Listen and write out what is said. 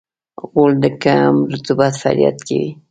غول د کم رطوبت فریاد کوي.